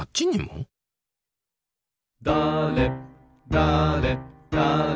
だれだれ